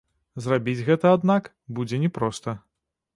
Зрабіць гэта, аднак, будзе не проста.